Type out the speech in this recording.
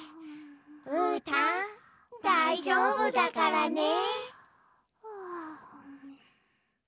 うーたんだいじょうぶだからね。